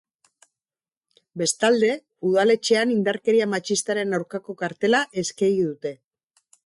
Bestalde, udaletxean indarkeria matxistaren aurkako kartela eskegi dute.